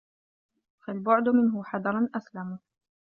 فَالْبُعْدُ مِنْهُ حَذَرًا أَسْلَمُ